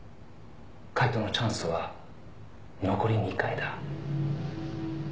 「解答のチャンスは残り２回だ」